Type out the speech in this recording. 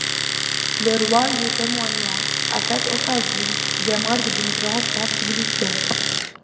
Le roi lui témoigna, à cette occasion, des marques d'une grande sensibilité.